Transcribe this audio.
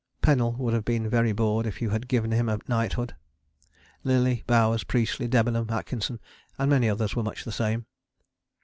Pennell would have been very bored if you had given him a knighthood. Lillie, Bowers, Priestley, Debenham, Atkinson and many others were much the same.